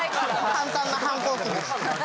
簡単な反抗期でした。